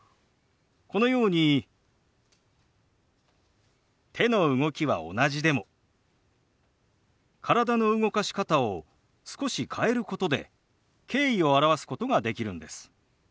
このように手の動きは同じでも体の動かし方を少し変えることで敬意を表すことができるんです。